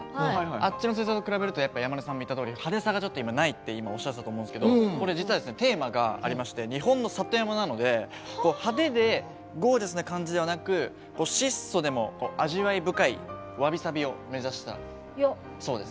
あっちの水槽と比べると山根さんも言ったとおり派手さが今ないっておっしゃったと思うんですけどテーマがありまして日本の里山なので派手でゴージャスな感じではなく質素でも味わい深いわびさびを目指したそうです。